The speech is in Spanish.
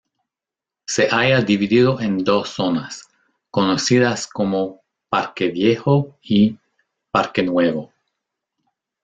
Se halla dividido en dos zonas, conocidas como "parque Viejo" y "parque Nuevo".